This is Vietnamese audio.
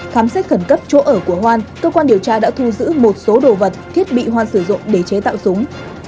khám xét khẩn cấp chỗ ở của hoan cơ quan điều tra đã thu giữ một số đồ vật thiết bị hoan sử dụng để chế tạo súng